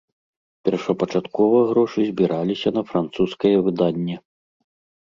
Першапачаткова грошы збіраліся на французскае выданне.